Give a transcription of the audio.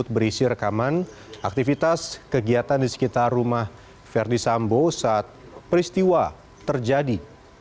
berisi rekaman aktivitas kegiatan di sekitar rumah verdi sambo saat peristiwa terjadi